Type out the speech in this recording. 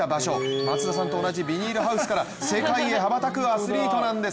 松田さんと同じビニールハウスから世界へ羽ばたくアスリートなんです。